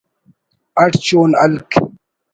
اٹ شون ہلک